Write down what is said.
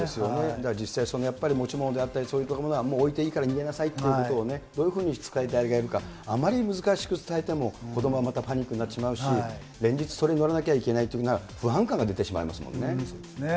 だから実際、持ち物であったり、そういうものはもう置いていいから逃げなさいということをどういうふうに伝えてあげるか、あまりに難しく伝えても、子どもはまたパニックになってしまうし、連日、それに乗らなきゃいけないと不安感が出てしまいますもんね。